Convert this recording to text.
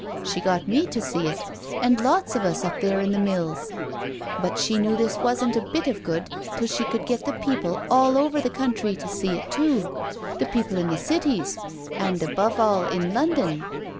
She got me to see it, and lots of us up there in the mills. But she knew this wasn't a bit of good till she could get the people all over the country to see it too — ^the people in the cities, and above all in London.